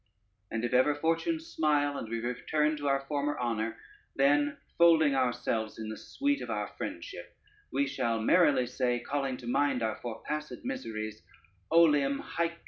And if ever fortune smile, and we return to our former honor, then folding ourselves in the sweet of our friendship, we shall merrily say, calling to mind our forepassed miseries: Olim haec meminisse juvabit."